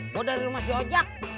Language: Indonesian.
gue dari rumah si objek